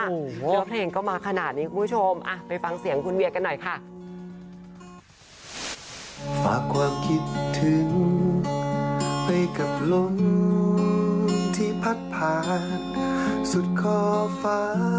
เนื้อเพลงก็มาขนาดนี้คุณผู้ชมไปฟังเสียงคุณเวียกันหน่อยค่ะ